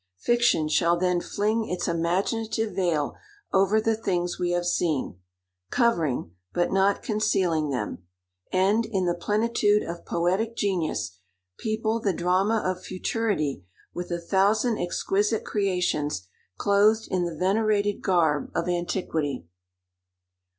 Fiction shall then fling its imaginative veil over the things we have seen—covering, but not concealing them—and, in the plenitude of poetic genius, people the drama of futurity with a thousand exquisite creations, clothed in the venerated garb of antiquity.